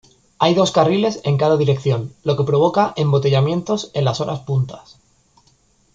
Hay dos carriles en cada dirección, lo que provoca embotellamientos en las horas punta.